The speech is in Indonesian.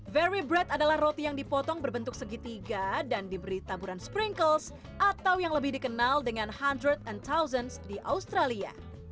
very bread adalah roti yang dipotong berbentuk segitiga dan diberi taburan sprinkles atau yang lebih dikenal dengan hundret and tosans di australia